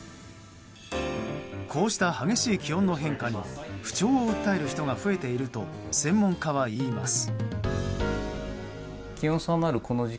こうした激しい気温の変化に不調を訴える人が増えていると専門家は言います。